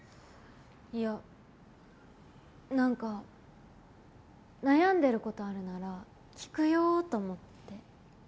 いや何か悩んでることあるなら聞くよと思って。